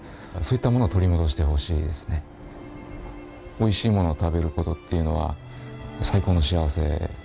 おいしいものを食べることっていうのは最高の幸せ。